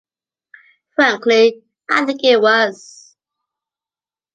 Frankly, I think it was.